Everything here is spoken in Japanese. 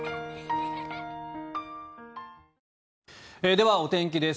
ではお天気です。